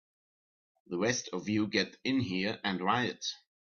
The rest of you get in here and riot!